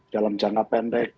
dalam jangka pendek